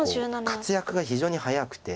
活躍が非常に早くて。